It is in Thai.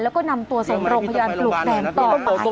แล้วก็นำตัวส่งโรงพยาบาลปลวกแดงต่อไป